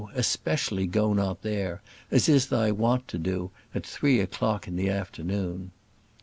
especially go not there, as is thy wont to do, at three o'clock in the afternoon!